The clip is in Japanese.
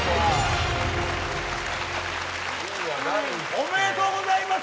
おめでとうございます。